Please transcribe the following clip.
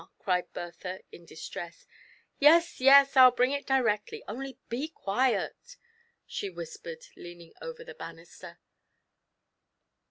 " cried Bertha, in dis tress; " yes, yes, I'll bring it directly, only be quiet," she whispered, leaning over the banister.